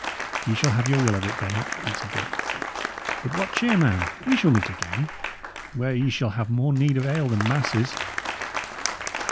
"Ye shall have your will of it, Bennet," answered Dick. "But, what cheer, man! we shall meet again, where ye shall have more need of ale than masses."